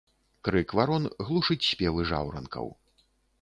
Крык варон глушыць спевы жаўранкаў.